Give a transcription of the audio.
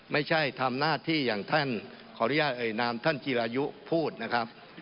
ไม่ใช่ทำหน้าที่อย่างท่านขออนุญาตเอ่ยนามท่านจีรายุพูดนะครับ